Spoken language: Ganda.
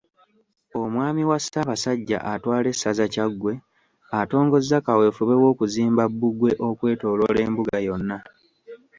Omwami wa Ssaabasajja atwala essaza Kyaggwe, atongozza kaweefube w'okuzimba bbugwe okwetooloola Embuga yonna.